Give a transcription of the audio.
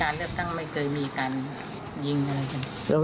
การเรียบตั้งไม่เคยมีการยิงอะไรกัน